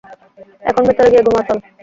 এখন ভেতরে গিয়ে ঘুমা চল।